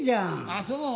ああそう？